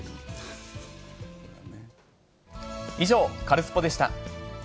以上、カルスポっ！でした。